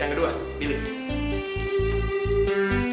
yang kedua billy